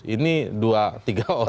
ini dua tiga orang